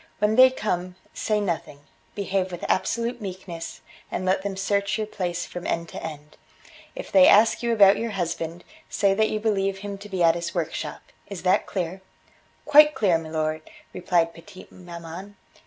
When they come, say nothing; behave with absolute meekness, and let them search your place from end to end. If they ask you about your husband say that you believe him to be at his workshop. Is that clear?" "Quite clear, milor," replied petite maman.